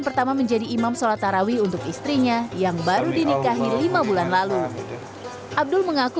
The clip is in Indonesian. pertama menjadi imam sholat tarawih untuk istrinya yang baru dinikahi lima bulan lalu abdul mengaku